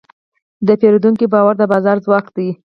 د پیرودونکي باور د بازار ځواک دی.